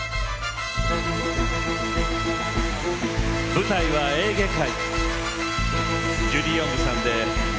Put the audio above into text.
舞台はエーゲ海。